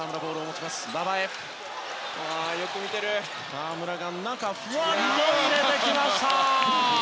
河村がふわっと入れてきました。